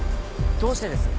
どうしてです？